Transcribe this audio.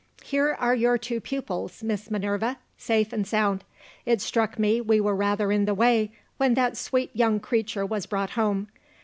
Here are your two pupils, Miss Minerva, safe and sound. It struck me we were rather in the way, when that sweet young creature was brought home.